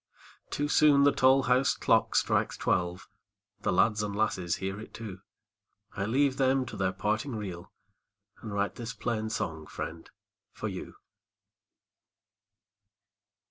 Too soon the tall house clock strikes twelve, The lads and lasses hear it too, I leave them to their parting reel, And write this plain song, friend, for you.